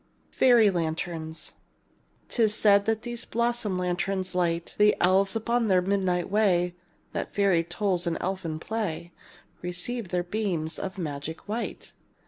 FAIRY LANTERNS 'Tis said these blossom lanterns light The elves upon their midnight way; That fairy toil and elfin play Receive their beams of magic white.